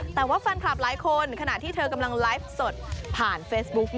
แต่ว่าแฟนคลับหลายคนขณะที่เธอกำลังไลฟ์สดผ่านเฟซบุ๊ก